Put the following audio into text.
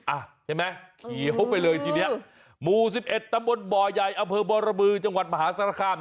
อ่ะใช่ไหมเขียวไปเลยทีเนี้ยหมู่๑๑ตำบลบ่อใหญ่อำเภอบรบือจังหวัดมหาศาลคาม